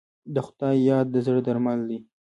د خدای یاد د زړه درمل دی.